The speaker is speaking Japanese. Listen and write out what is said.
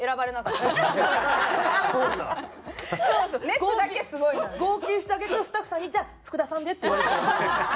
熱だけすごい。号泣した揚げ句スタッフさんに「じゃあ福田さんで」って言われて。